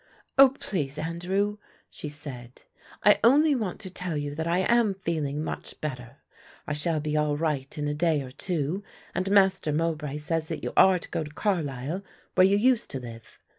"Oh, please, Andrew," she said, "I only want to tell you that I am feeling much better. I shall be all right in a day or two, and Master Mowbray says that you are to go to Carlisle, where you used to live.